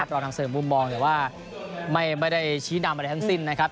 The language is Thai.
เรานำเสริมมุมมองแต่ว่าไม่ได้ชี้นำอะไรทั้งสิ้นนะครับ